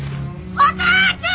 お父ちゃん！